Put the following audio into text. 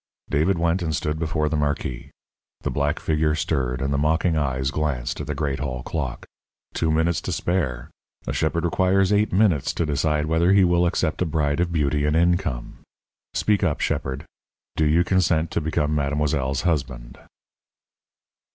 David went and stood before the marquis. The black figure stirred, and the mocking eyes glanced at the great hall clock. "Two minutes to spare. A shepherd requires eight minutes to decide whether he will accept a bride of beauty and income! Speak up, shepherd, do you consent to become mademoiselle's husband?"